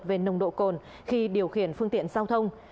về nồng độ cồn khi điều khiển phương tiện giao thông